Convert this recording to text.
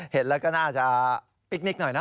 เห็นแล้วก็น่าจะปิ๊กนิกหน่อยนะ